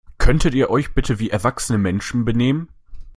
Könntet ihr euch bitte wie erwachsene Menschen benehmen?